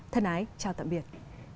thân ái chào tạm biệt